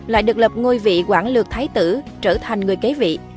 lại được lập ngôi vị quản lược thái tử trở thành người kế vị